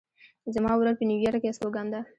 زما ورور په نیویارک کې استوګن ده